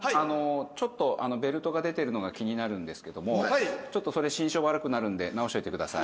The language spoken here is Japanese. ちょっとベルトが出てるのが気になるんですけどもちょっとそれ心証悪くなるので直しておいてください